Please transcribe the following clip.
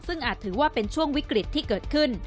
ซึ่งอาจถือว่าเป็นช่วงวิกฤตที่เกิดขึ้น